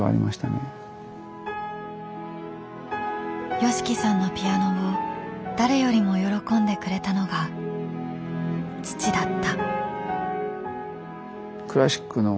ＹＯＳＨＩＫＩさんのピアノを誰よりも喜んでくれたのが父だった。